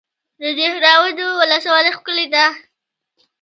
د دهراوود ولسوالۍ ښکلې ده